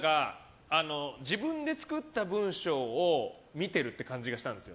自分で作った文章を見てるって感じがしたんです。